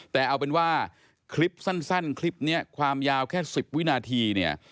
แต่เอาเป็นว่าคลิปสั้นคลิปนี้ความยาวแค่๑๐วินาทีเนี่ย